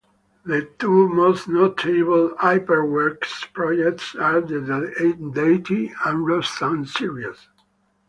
The two most notable Hyperwerks projects are the Deity and Rostam series.